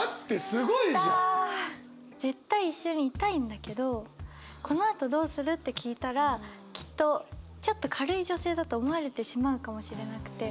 すごいじゃん！絶対一緒にいたいんだけど「この後どうする？」って聞いたらきっとちょっと軽い女性だと思われてしまうかもしれなくて。